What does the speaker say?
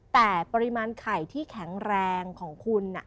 แต่ปริมาณไข่ที่แข็งแรงของคุณ